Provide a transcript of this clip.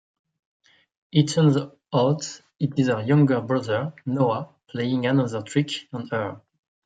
It turns out it is her younger brother, Noah, playing another trick on her.